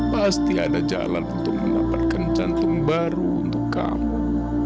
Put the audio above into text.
pasti ada jalan untuk mendapatkan jantung baru untuk kamu